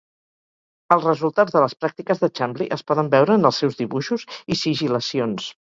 Els resultats de les pràctiques de Chumbley es poden veure en els seus dibuixos i sigil·lacions.